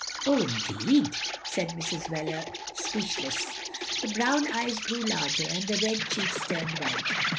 " "Oh, indeed," said Mrs. Wheler, speechless. The brown eyes grew larger, and the red cheeks turned white.